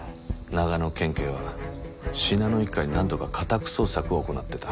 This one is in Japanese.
長野県警は信濃一家に何度か家宅捜索を行ってた。